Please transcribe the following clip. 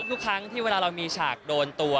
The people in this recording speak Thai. ทุกครั้งที่เวลาเรามีฉากโดนตัว